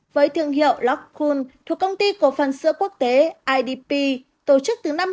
với thương hiệu lock fool thuộc công ty cổ phần sữa quốc tế idp tổ chức từ năm hai nghìn một mươi